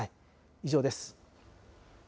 以上です。